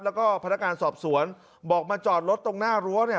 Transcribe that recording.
แล้วก็พนักงานสอบสวนบอกมาจอดรถตรงหน้ารั้วเนี่ย